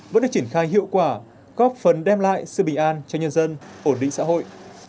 vẫn được triển khai hiệu quả góp phần đem lại sự bình an cho nhân dân ổn định xã hội